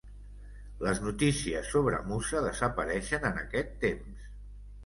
Les notícies sobre Musa desapareixen en aquest temps.